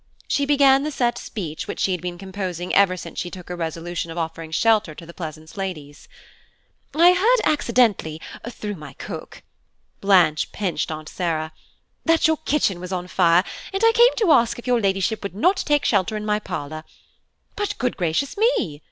She began the set speech which she had been composing ever since she took her resolution of offering shelter to the Pleasance ladies. "I heard accidently through my cook" (Blanche pinched Aunt Sarah) "that your kitchen was on fire, and I came to ask if your Ladyship would not take shelter in my parlour. But, good gracious me!"